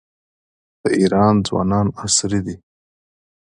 د ایران ځوانان عصري دي.